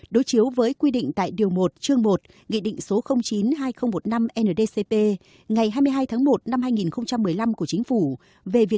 đối chiếu với quy định tại điều một chương một nghị định số